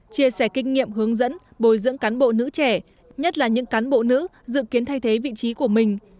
chia sẻ kinh nghiệm hướng dẫn bồi dưỡng cán bộ nữ trẻ nhất là những cán bộ nữ dự kiến thay thế vị trí của mình